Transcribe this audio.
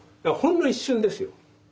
ほんの一瞬ですよ。